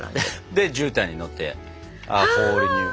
でじゅうたんに乗って「ホール・ニュー」。